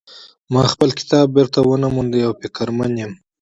ما خپل کتاب بیرته ونه مونده او فکرمن یم